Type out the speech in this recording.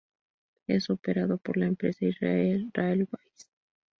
Es operado por la empresa Israel Railways.